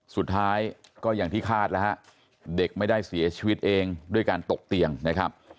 สุดท้ายก็อย่างที่คาดแล้วฮะเด็กไม่ได้เสียชีวิตเองด้วยการตกเตียงนะครับ